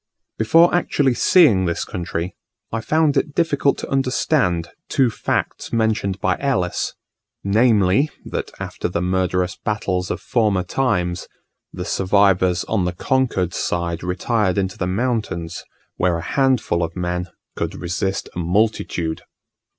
Before actually seeing this country, I found it difficult to understand two facts mentioned by Ellis; namely, that after the murderous battles of former times, the survivors on the conquered side retired into the mountains, where a handful of men could resist a multitude.